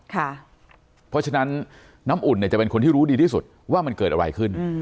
เพราะฉะนั้นน้ำอุ่นจะเป็นคนที่รู้ดีที่สุดว่ามันเกิดอะไรขึ้น